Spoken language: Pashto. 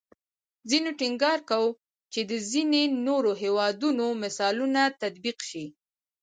ځینو ټینګار کوو چې د ځینې نورو هیوادونو مثالونه تطبیق شي